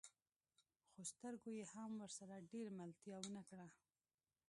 خو سترګو يې هم ورسره ډېره ملتيا ونه کړه.